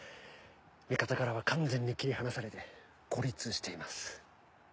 味方からは完全に切り離されて孤立しています。